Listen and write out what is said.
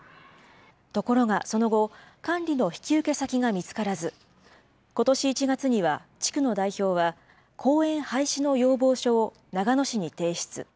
ところがその後、管理の引き受け先が見つからず、ことし１月には地区の代表は、公園廃止の要望書を長野市に提出。